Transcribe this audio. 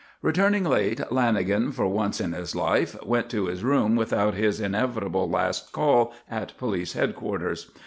Returning late, Lanagan for once in his life went to his room without his inevitable last call at police headquarters.